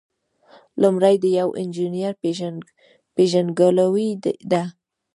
لومړی د یو انجینر پیژندګلوي ده.